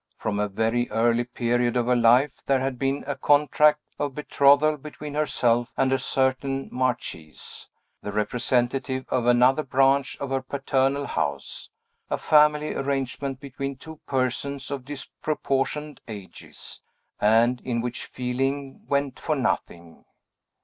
From a very early period of her life, there had been a contract of betrothal between herself and a certain marchese, the representative of another branch of her paternal house, a family arrangement between two persons of disproportioned ages, and in which feeling went for nothing.